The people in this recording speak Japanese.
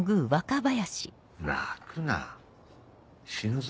泣くな死ぬぞ。